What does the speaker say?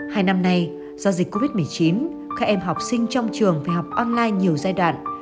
hai năm nay do dịch covid một mươi chín các em học sinh trong trường phải học online nhiều giai đoạn